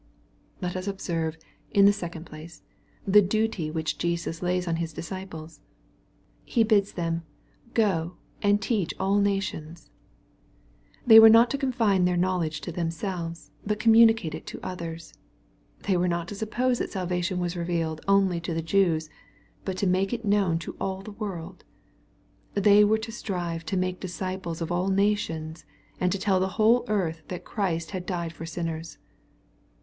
Let us observe, in the second place, ike duty which Jesus lays on His disciples. .He bids them " go and teach all nations.'' They were not to confine their knowledge to themselves, but communicate it to others. They were not to suppose that salvation was revealed only to the Jews, but to make it known to all the world. They were to strive to make disciples of all nations, and to tell the whole earth that Christ had died for sinners.